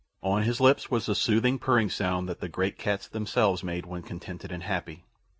On his lips was the soothing, purring sound that the great cats themselves made when contented and happy.